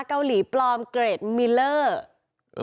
เกาหลีปลอมเกรดมิลเลอร์